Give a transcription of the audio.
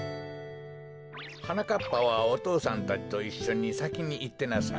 はなかっぱはお父さんたちといっしょにさきにいってなさい。